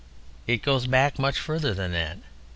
It goes back much further than that.